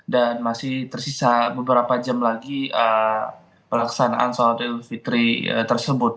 dan masih tersisa beberapa jam lagi pelaksanaan sholat idul fitri tersebut